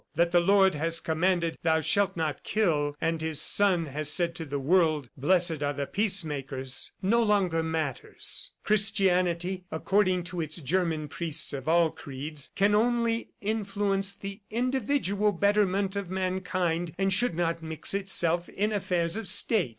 That the Lord has commanded, 'Thou shalt not kill,' and His Son has said to the world, 'Blessed are the peacemakers,' no longer matters. Christianity, according to its German priests of all creeds, can only influence the individual betterment of mankind, and should not mix itself in affairs of state.